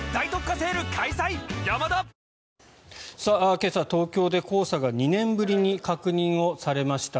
今朝、東京で黄砂が２年ぶりに確認されました。